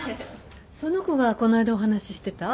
その子がこの間お話ししてた？